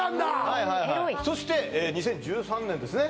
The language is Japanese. はいはいそして２０１３年ですね